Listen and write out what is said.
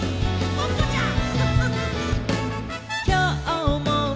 ポッポちゃん！